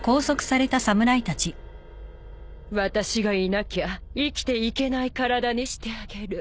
私がいなきゃ生きていけない体にしてあげる。